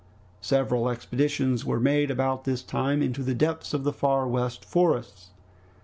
Several expeditions were made about this time into the depths of the Far West Forests.